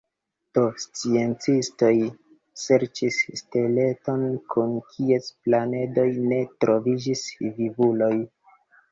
Do sciencistoj serĉis steleton sur kies planedoj ne troviĝis vivuloj.